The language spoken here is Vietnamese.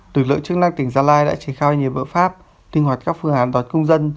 từ lượng chức năng tỉnh gia lai đã trình khai nhiều bỡ pháp tinh hoạt các phương án đoán công dân